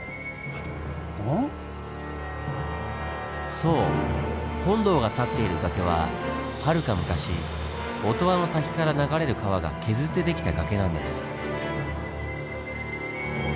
そう本堂が建っている崖ははるか昔音羽の瀧から流れる川が削って出来た崖なんです。